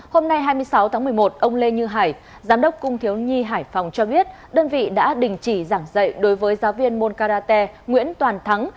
hôm nay hai mươi sáu tháng một mươi một ông lê như hải giám đốc cung thiếu nhi hải phòng cho biết đơn vị đã đình chỉ giảng dạy đối với giáo viên moncarate nguyễn toàn thắng